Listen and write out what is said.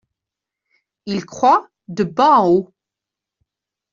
Il croît de bas en haut.